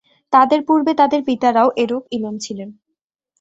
তাদের পূর্বে তাদের পিতারাও এরূপ ইমাম ছিলেন।